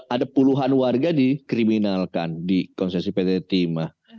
ada puluhan warga dikriminalkan di konsesi pt timah